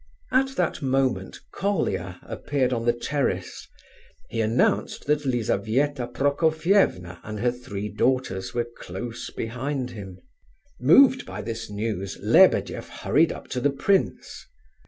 At that moment Colia appeared on the terrace; he announced that Lizabetha Prokofievna and her three daughters were close behind him. Moved by this news, Lebedeff hurried up to the prince.